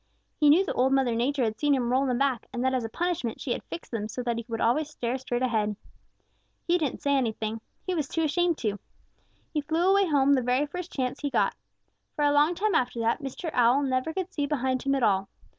He knew that Old Mother Nature had seen him roll them back, and that as a punishment she had fixed them so that he would always stare straight ahead. He didn't say anything. He was too ashamed to. He flew away home the very first chance he got. For a long time after that, Mr. Owl never could see behind him at all.